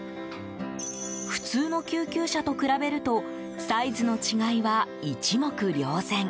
普通の救急車と比べるとサイズの違いは一目瞭然。